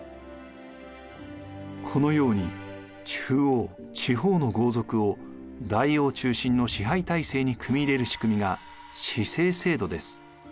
このように中央地方の豪族を大王中心の支配体制に組み入れる仕組みが氏姓制度です。